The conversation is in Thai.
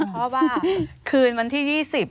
เพราะว่าคืนวันที่๒๐